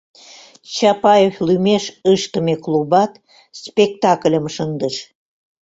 Чапаев лӱмеш ыштыме клубат спектакльым шындыш...